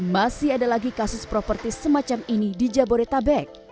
masih ada lagi kasus properti semacam ini di jabodetabek